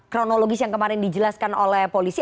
kronologis yang kemarin dijelaskan oleh polisi